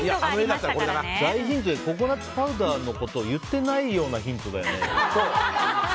ココナツパウダーのことを言ってないようなヒントだよね。